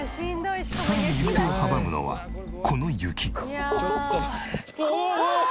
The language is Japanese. さらに行く手を阻むのはこの雪。